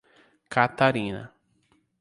Catarina